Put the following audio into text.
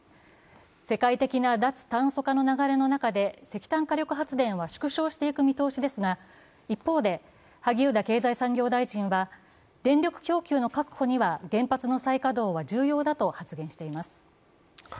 世界的な脱炭素化の流れの中で石炭火力発電は縮小していく見込みですが、一方で、萩生田経済産業大臣は、電力供給の確保には原発の再稼働は重要だと発言しています。